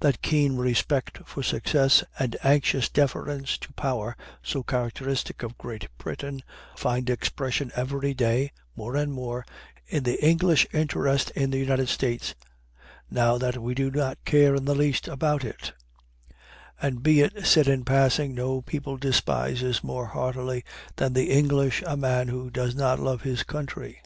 That keen respect for success and anxious deference to power so characteristic of Great Britain find expression every day, more and more, in the English interest in the United States, now that we do not care in the least about it; and be it said in passing, no people despises more heartily than the English a man who does not love his country.